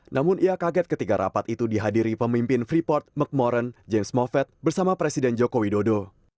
namun ia kaget ketika rapat itu dihadiri pemimpin freeport mcmoran james movet bersama presiden joko widodo